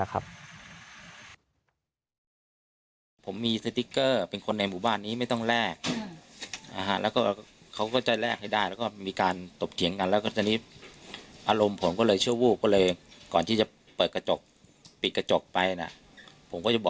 ของเขานะครับ